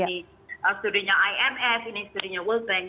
di studinya imf ini studinya world bank